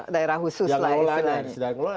daerah khusus lah